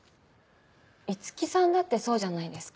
五木さんだってそうじゃないですか。